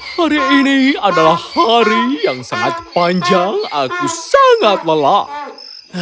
hari ini adalah hari yang sangat panjang aku sangat lelah